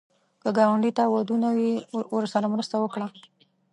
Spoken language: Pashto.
که ګاونډي ته ودونه وي، ورسره مرسته وکړه